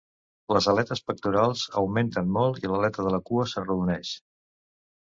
Les aletes pectorals augmenten molt i l'aleta de la cua s'arrodoneix.